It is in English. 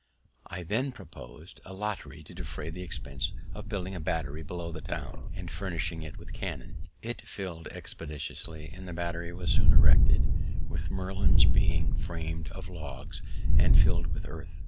I then propos'd a lottery to defray the expense of building a battery below the town, and furnishing it with cannon. It filled expeditiously, and the battery was soon erected, the merlons being fram'd of logs and fill'd with earth.